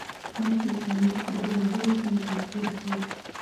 موږ په انټرنیټ کې د بېلابېلو سیمو کلتور ګورو.